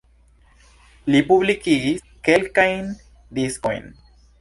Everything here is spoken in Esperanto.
Li publikigis kelkajn diskojn.